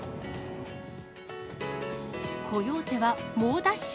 コヨーテは猛ダッシュ。